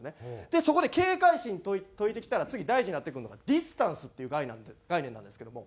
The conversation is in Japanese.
でそこで警戒心解いてきたら次大事になってくるのがディスタンスっていう概念なんですけども。